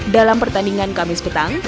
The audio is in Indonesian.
dalam pertandingan kamis petang